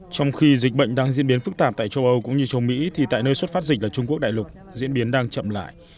trong khi dịch bệnh đang diễn biến phức tạp tại châu âu cũng như châu mỹ thì tại nơi xuất phát dịch là trung quốc đại lục diễn biến đang chậm lại